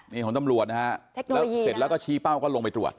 นี่ของตำรวจนะฮะแล้วเสร็จแล้วก็ชี้เป้าก็ลงไปตรวจ